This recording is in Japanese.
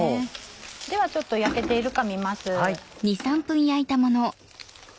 ではちょっと焼けているか見ます。